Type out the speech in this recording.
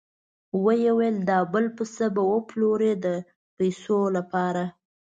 ویل یې دا بل پسه به وپلوري د پیسو لپاره.